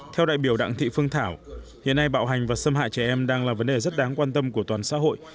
theo đại biểu đặng thị phương thảo hiện nay bạo hành và xâm hại trẻ em đang là vấn đề rất đáng quan tâm của toàn xã hội